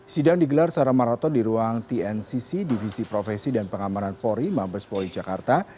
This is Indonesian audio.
sidang digelar secara maraton di ruang tncc divisi profesi dan pengamanan polri mabes polri jakarta